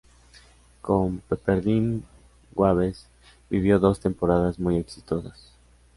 Con Pepperdine Waves vivió dos temporadas muy exitosas.